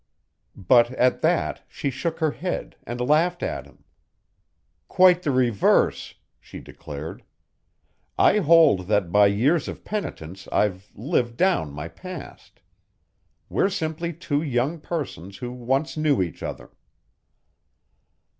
But at that she shook her head and laughed at him. "Quite the reverse," she declared. "I hold that by years of penitence I've lived down my past. We're simply two young persons who once knew each other."